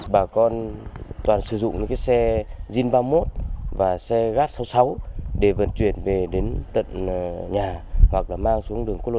bà con toàn sử dụng những cái xe jin ba mươi một và xe gas sáu mươi sáu để vận chuyển về đến tận nhà hoặc là mang xuống đường quốc lộ một